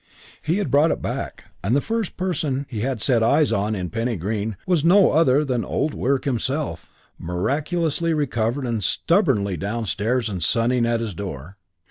He had brought it back, and the first person he had set eyes on in Penny Green was no other than Old Wirk himself, miraculously recovered and stubbornly downstairs and sunning at his door.